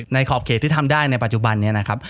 ขอบเขตที่ทำได้ในปัจจุบันนี้นะครับ